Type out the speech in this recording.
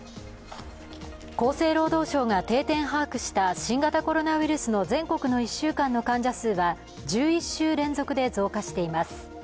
厚生労働省が定点把握した新型コロナウイルスの全国の１週間の患者数は１１週連続で増加しています。